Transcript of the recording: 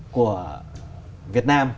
của việt nam